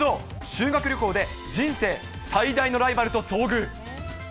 修学旅行で人生最大のライバルと遭遇。